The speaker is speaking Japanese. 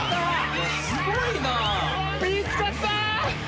見つかった！